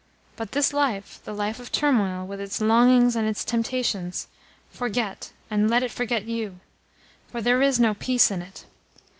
But this life the life of turmoil, with its longings and its temptations forget, and let it forget YOU; for there is no peace in it.